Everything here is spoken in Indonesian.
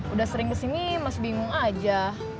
udah sering kesini masih bingung aja